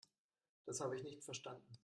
Das habe ich nicht verstanden.